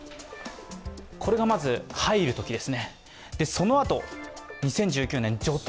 これがまず、入るときです。